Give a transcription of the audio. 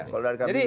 kalau dari kabinet